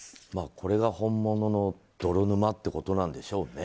これが本物の泥沼ってことなんでしょうね。